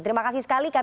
terima kasih sekali